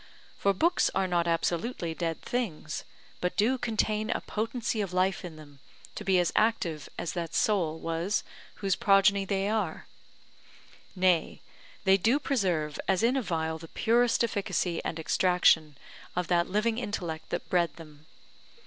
For books are not absolutely dead things, but do contain a potency of life in them to be as active as that soul was whose progeny they are; nay, they do preserve as in a vial the purest efficacy and extraction of that living intellect that bred them.